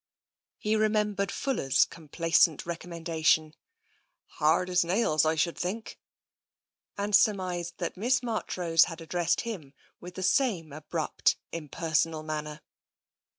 He remembered Fuller's complacent recommenda tion, " Hard as nails, I should think," and surmised that Miss Marchrose had addressed him with the same abrupt, impersonal manner.